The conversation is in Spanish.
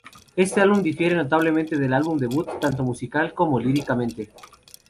Este álbum difiere notablemente del álbum debut, tanto musical como líricamente.